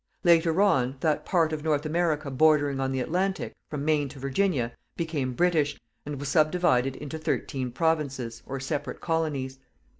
Later on, that part of North America bordering on the Atlantic, from Maine to Virginia, became British, and was subdivided into thirteen provinces, or separate colonies.